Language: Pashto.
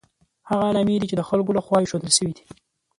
هغه علامې دي چې د خلکو له خوا ایښودل شوي دي.